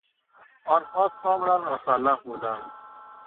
آنها کاملا مسلح بودند.